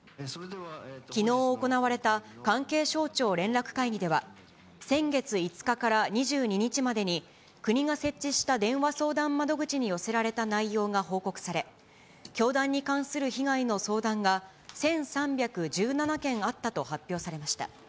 きのう行われた関係省庁連絡会議では、先月５日から２２日までに、国が設置した電話相談窓口に寄せられた内容が報告され、教団に関する被害の相談が、１３１７件あったと発表されました。